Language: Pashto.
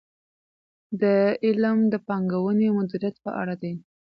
دا علم د پانګونې مدیریت په اړه دی.